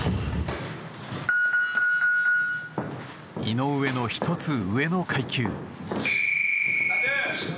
井上の１つ上の階級。